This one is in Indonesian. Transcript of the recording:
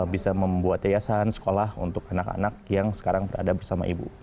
bisa membuat yayasan sekolah untuk anak anak yang sekarang berada bersama ibu